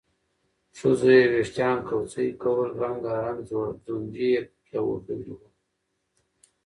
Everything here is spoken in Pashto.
ښځو یې وېښتان کوڅۍ کول، رنګارنګ ځونډي یې پکې اوبدلي وو